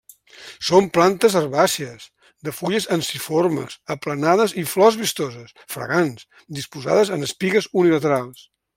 Són plantes herbàcies, de fulles ensiformes, aplanades i flors vistoses, fragants, disposades en espigues unilaterals.